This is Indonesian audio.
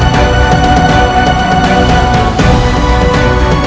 tidak ada yang bisa mencarialnya